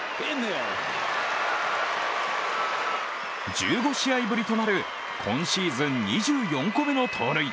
１５試合ぶりとなる今シーズン２４個目の盗塁。